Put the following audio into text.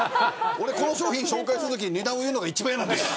この商品を紹介するときに値段を言うのが一番嫌なんです。